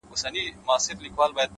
اخلاص د باور بنسټ پیاوړی کوي!